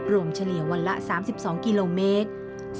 เฉลี่ยวันละ๓๒กิโลเมตร